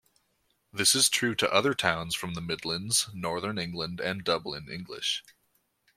This is true to other towns from the midlands, northern England and Dublin English.